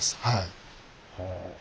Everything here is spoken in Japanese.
はい。